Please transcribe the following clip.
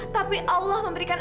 tapi allah memberikan